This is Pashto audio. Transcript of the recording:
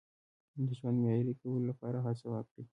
د ژوند معیاري کولو لپاره هڅه وکړئ.